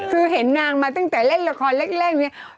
คือเห็นนางมาตั้งแต่เล่นละครแรกเนี่ย